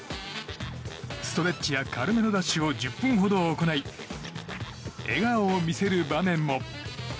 ストレッチや軽めのダッシュを１０分間ほど行い笑顔を見せる場面も。